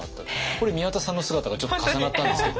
これ宮田さんの姿がちょっと重なったんですけど。